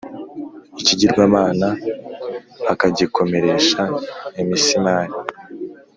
ikigirwamana akagikomeresha imisimari,